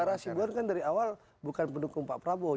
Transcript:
barahasibuan kan dari awal bukan pendukung pak prabowo